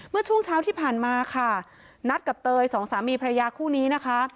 เมื่อช่วงเช้าที่ผ่านมาค่ะนัดกับเตยสองสามีพระยาคู่นี้นะคะ